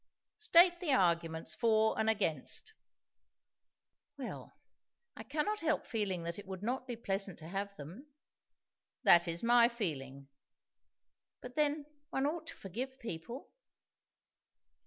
"State the arguments, for and against." "Well! I cannot help feeling that it would not be pleasant to have them." "That is my feeling." "But then, one ought to forgive people?"